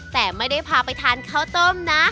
แต่ไม่ได้พาไปทานข้าวต้มนะ